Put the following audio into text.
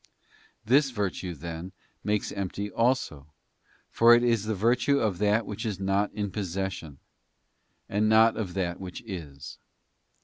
'* This virtue, then, makes empty also, for it is the virtue of that which is not in possession, and not of that which is.